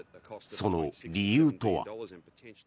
その理由とは。